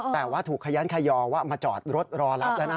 แต่ว่าถูกขยันขยอว่ามาจอดรถรอรับแล้วนะ